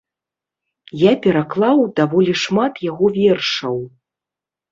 Я пераклаў даволі шмат яго вершаў.